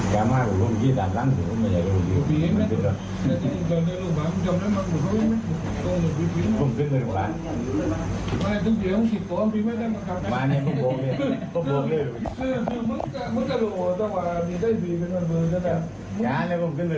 อย่าแล้วผมขึ้นไปโรงพยาบาล